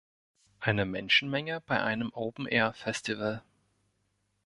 Eine Menschenmenge bei einem Open-Air-Festival.